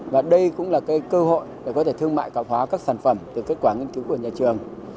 và đây cũng là cơ hội để có thể thương mại cạo hóa các sản phẩm từ kết quả nghiên cứu của nhà trường